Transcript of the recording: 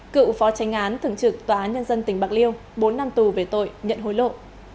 cựu phó tránh án thường trực tòa án nhân dân tỉnh bạc liêu bốn năm tù về tội nhận hối lộ